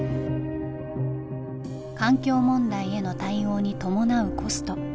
環境問題への対応に伴うコスト。